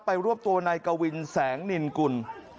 ไปรวบตัวในกวินแสงนินกุล